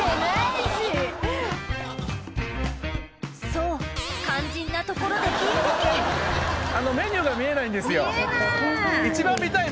そう肝心なところであのメニューが見えないんですよ・見えない！